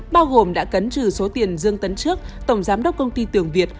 bao gồm đã cấn trừ số tiền dương tấn trước tổng giám đốc công ty tường việt